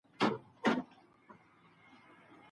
نوښت د بریا کیلي ده.